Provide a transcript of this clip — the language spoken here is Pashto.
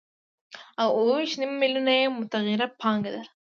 او اوه ویشت نیم میلیونه یې متغیره پانګه ده